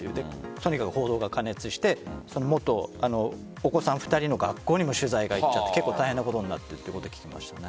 とにかく報道が過熱してお子さん２人の学校にも取材がいっちゃって大変なことになっているということを聞きました。